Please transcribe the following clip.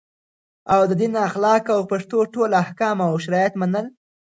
او د دین اخلاق او پښتو ټول احکام او شرایط منل